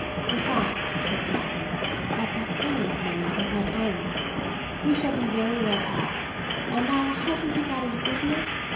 Besides," said Catherine, "I have got plenty of money of my own. We shall be very well off; and now hasn't he got his business?